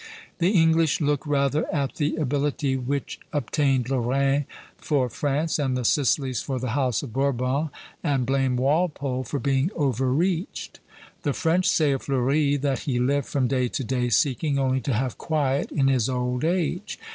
The English look rather at the ability which obtained Lorraine for France and the Sicilies for the House of Bourbon, and blame Walpole for being overreached. The French say of Fleuri that "he lived from day to day seeking only to have quiet in his old age.